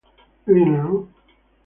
Do you know?